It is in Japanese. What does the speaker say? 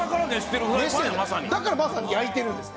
だからまさに焼いてるんですね。